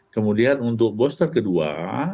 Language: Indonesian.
kemudian untuk booster kedua